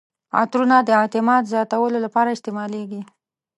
عطرونه د اعتماد زیاتولو لپاره استعمالیږي.